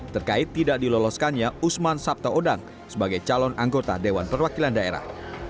terkait tidak diloloskannya usman sabtaodang sebagai calon anggota dewan perwakilan daerah